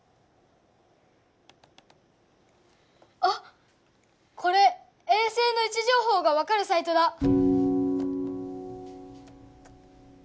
あっこれ衛星の位置情報がわかるサイトだ。